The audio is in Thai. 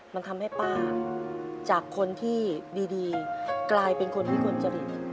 มันทำให้ป้าจากคนที่ดีดีกลายเป็นคนที่คนจะรีบ